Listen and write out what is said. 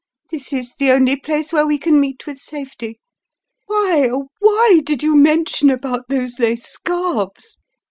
This is the only place where we can meet with safety. Why — oh, why did you mention about those lace scarves?